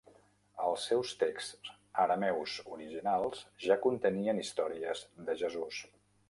Els seus texts arameus originals ja contenien històries de Jesús.